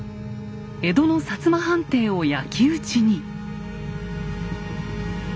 江戸の摩藩邸を焼き打ちに。